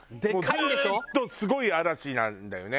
ずーっとすごい嵐なんだよね